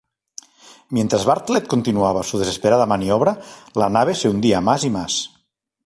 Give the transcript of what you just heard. Mientras Bartlett continuaba su desesperada maniobra, la nave se hundía más y más.